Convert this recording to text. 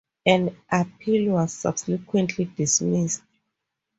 An appeal was subsequently dismissed.